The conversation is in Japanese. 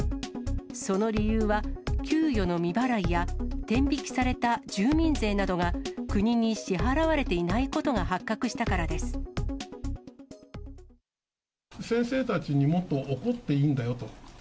その理由は給与の未払いや、天引きされた住民税などが、国に支払われていないことが発覚先生たちにもっと怒っていいんだよと。